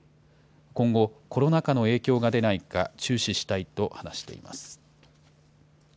今後、コロナ禍の影響が出ないか、注視したいと話しています。